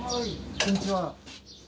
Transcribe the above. こんにちは。